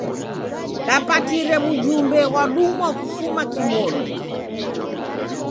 Dapatire w'ujumbe ghwadumwa kufuma kimonu.